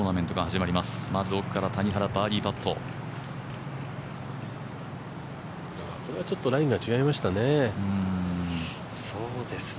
まず奥から谷原、バーディーパットこれはちょっとラインが違いましたね。